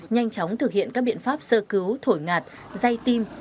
nhanh chóng thực hiện các biện pháp sơ cứu thổi ngạt dây tim